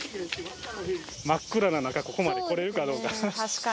真っ暗な中、ここまで来れるかどうか。